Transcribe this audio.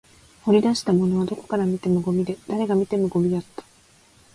掘り出したものはどこから見てもゴミで、誰が見てもゴミだった